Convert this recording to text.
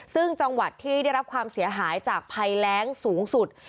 ซึ่งจังหวัดที่ได้รับความเสียหายจากภัยแรงสูงสุด